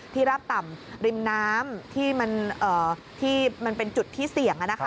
ราบต่ำริมน้ำที่มันเป็นจุดที่เสี่ยง